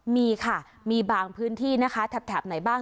มีค่ะมีบางพื้นที่นะคะแถบไหนบ้าง